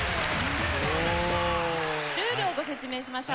ルールをご説明しましょう。